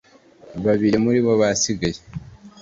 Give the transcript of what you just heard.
Babiri muri bo basigaye